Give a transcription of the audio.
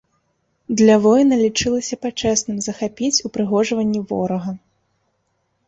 Для воіна лічылася пачэсным захапіць упрыгожванні ворага.